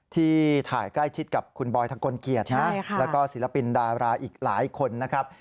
ที่ถ่ายใกล้ชิดกับคุณบอยทะกลเกียรตินะแล้วก็ศิลปินดาราอีกหลายคนนะครับ